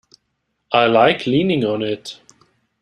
I like leaning on it.